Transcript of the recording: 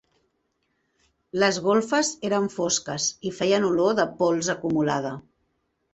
Les golfes eren fosques i feien olor de pols acumulada.